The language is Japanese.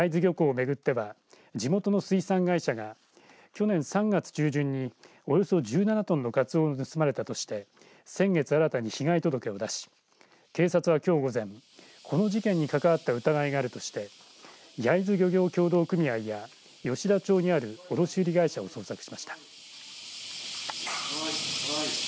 焼津漁港を巡っては地元の水産会社が去年３月中旬におよそ１７トンのカツオが盗まれたとして先月新たに被害届を出し警察はきょう午前、この事件に関わった疑いがあるとして焼津漁業協同組合や吉田町にある卸売会社を捜索しました。